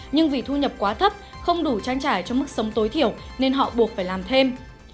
nhưng vì thu nhập quá thấp không đủ trang trải cho mức sống tối thiểu nên họ buộc phải làm thêm